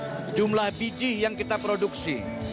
dengan jumlah biji yang kita produksi